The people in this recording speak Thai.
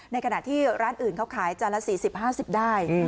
ในขณะที่ร้านอื่นเขาขายจานละ๔๐๕๐ได้